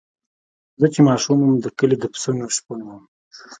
زه چې ماشوم وم د کلي د پسونو شپون وم.